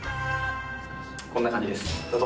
こんな感じです、どうぞ。